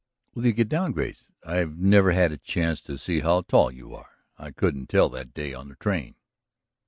"Will you get down, Grace? I've never had a chance to see how tall you are I couldn't tell that day on the train."